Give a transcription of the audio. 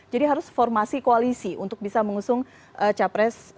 jadi harus formasi koalisi untuk bisa mengusung capres